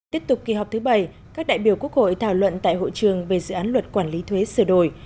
tiếp tục kỳ họp thứ bảy các đại biểu quốc hội thảo luận tại hội trường về dự án luật quản lý thuế sửa đổi